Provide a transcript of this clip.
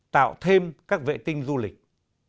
tạo thêm các vệ tinh du lịch